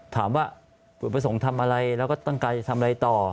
ถามว่าจุดประสงค์ทำอะไรแล้วก็ตั้งใจจะทำอะไรต่อ